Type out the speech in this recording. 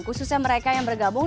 khususnya mereka yang bergabung